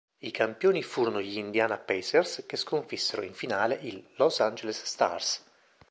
I campioni furono gli Indiana Pacers, che sconfissero in finale i Los Angeles Stars.